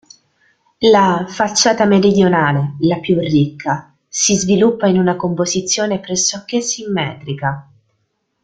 La "Facciata meridionale", la più ricca, si sviluppa in una composizione pressoché simmetrica.